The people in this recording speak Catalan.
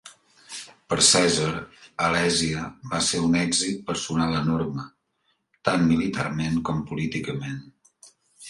Per Cèsar, Alèsia va ser un èxit personal enorme, tant militarment com políticament.